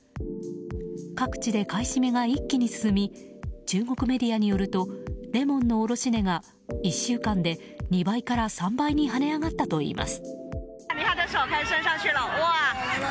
各地で買い占めが一気に進み中国メディアによるとレモンの卸値が１週間で２倍から３倍にはね上がったといいます。